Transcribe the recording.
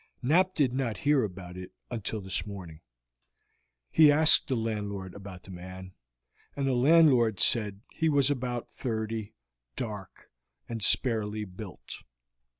Knapp did not hear about it until this morning; he asked the landlord about the man, and the landlord said he was about thirty, dark, and sparely built.